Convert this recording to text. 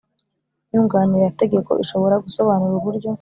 nyunganirategeko ishobora gusobanura uburyo